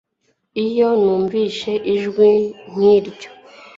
Iyo numvise ijwi nkiryo